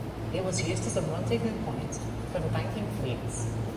It was used as a rendezvous point for the banking fleets.